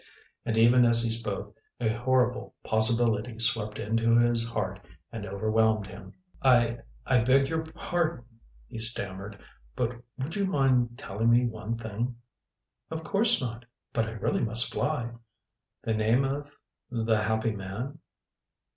And even as he spoke a horrible possibility swept into his heart and overwhelmed him. "I I beg your pardon," he stammered, "but would you mind telling me one thing?" "Of course not. But I really must fly " "The name of the happy man."